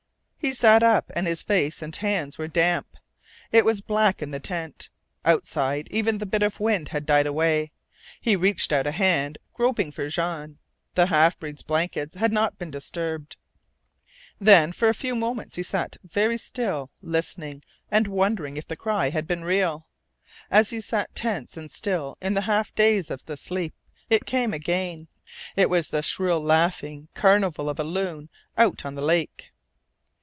He sat up, and his face and hands were damp. It was black in the tent. Outside even the bit of wind had died away. He reached out a hand, groping for Jean. The half breed's blankets had not been disturbed. Then for a few moments he sat very still, listening, and wondering if the cry had been real. As he sat tense and still in the half daze of the sleep it came again. It was the shrill laughing carnival of a loon out on the lake.